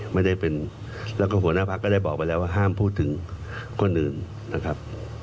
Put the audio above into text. ไม่ได้เป็นแล้วก็หัวหน้าพักก็ได้บอกไปแล้วว่าห้ามพูดถึงคนอื่นนะครับ